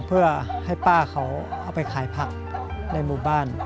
เพื่อให้ป้าเขาเอาไปขายผักในหมู่บ้าน